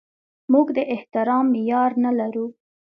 موږ د احترام معیار نه لرو.